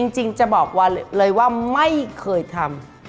จริงจะบอกเลยว่าไม่เคยทำ